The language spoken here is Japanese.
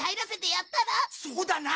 そうだな。